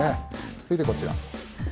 続いてこちら。